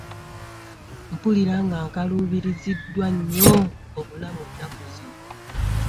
Mpulira nga nkaluubiriziddwa nnyo obulamu ennaku zino.